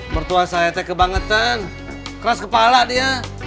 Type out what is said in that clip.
mertua saya teke bangetan keras kepala dia